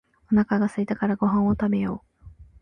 おなかがすいたらご飯を食べよう